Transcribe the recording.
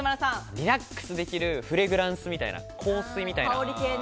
リラックスできるフレグランスみたいな、香水みたいな。